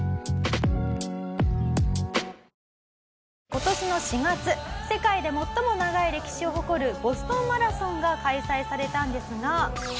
「今年の４月世界で最も長い歴史を誇るボストンマラソンが開催されたんですが」